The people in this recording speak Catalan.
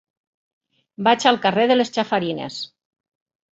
Vaig al carrer de les Chafarinas.